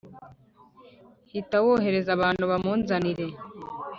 Hita wohereza abantu bamunzanire